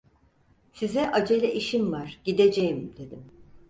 Size acele işim var, gideceğim, dedim.